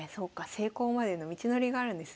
成功までの道のりがあるんですね。